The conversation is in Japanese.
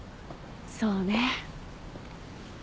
そうね。